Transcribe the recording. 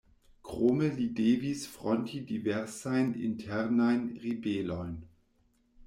Krome li devis fronti diversajn internajn ribelojn.